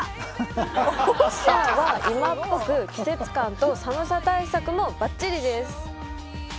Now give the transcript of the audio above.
ファーは今っぽく季節感と寒さ対策もばっちりです